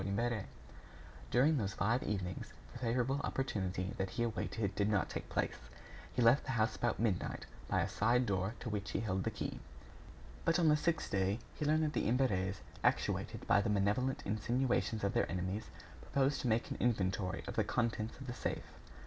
Imbert. During those five evenings, the favorable opportunity that he awaited did not take place. He left the house about midnight by a side door to which he held the key. But on the sixth day, he learned that the Imberts, actuated by the malevolent insinuations of their enemies, proposed to make an inventory of the contents of the safe.